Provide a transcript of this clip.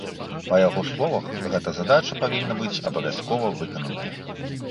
Па яго словах, гэта задача павінна быць абавязкова выкананая.